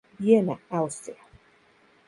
Viena, Austria.